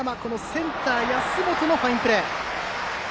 センター、安本のファインプレー。